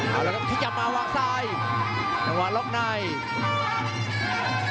นั่นครับตุ๋ภาควางซ้ายตะวันรองไหน